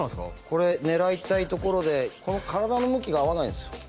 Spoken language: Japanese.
これ狙いたいところで体の向きが合わないんです